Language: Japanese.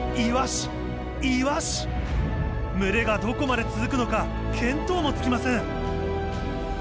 群れがどこまで続くのか見当もつきません。